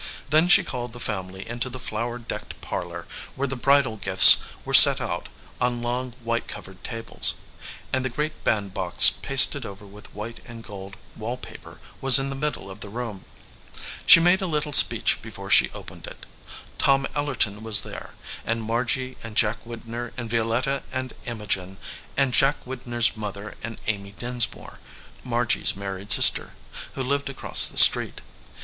Then she called the family into the flower decked parlor, where the bridal gifts were set out on long white covered tables, and the great bandbox pasted over with white and gold wall paper was in the middle of the room. She made a little speech before she opened it. Tom Ellerton was there, and Margy and Jack Widner and Vio letta and Imogen, and Jack Widner s mother and Amy Dinsmore, Margy s married sister, who lived across the street.